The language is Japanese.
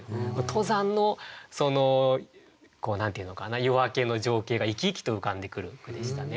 登山のそのこう何て言うのかな夜明けの情景が生き生きと浮かんでくる句でしたね。